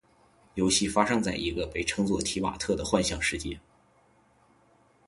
游戏发生在一个被称作「提瓦特」的幻想世界。